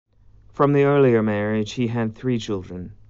From the earlier marriage he had three children.